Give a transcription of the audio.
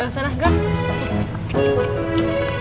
gak usah gak usah